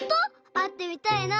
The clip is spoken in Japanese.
あってみたいな。